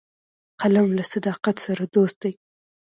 قلم له صداقت سره دوست دی